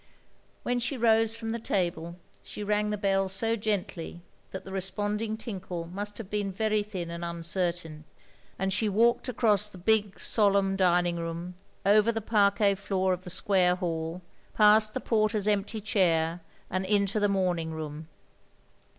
When she rose from the table she rang the bell so gently that the responding tinkle must have been very thin and uncertain; and she walked across the big, solemn dining room, over the parquet floor of the square hall, past the porter's empty chair, and into the morning room.